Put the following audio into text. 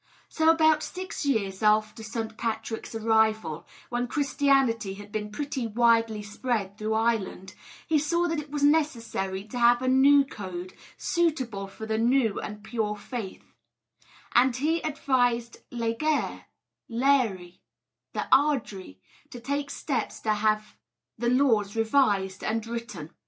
So about six years after St. Patrick's arrival, when Christianity had been pretty widely spread through Ireland, he saw that it was necessary to have a new code, suitable for the new and pure faith; and he advised Laeghaire [Laery], the ard ri, to take steps to have the laws revised and re written.